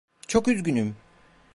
Çok üzgünüm!